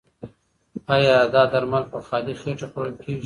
ایا دا درمل په خالي خېټه خوړل کیږي؟